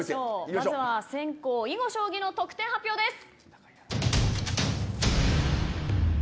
まずは先攻囲碁将棋の得点発表です。